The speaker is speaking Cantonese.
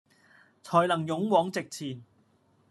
才能勇往直前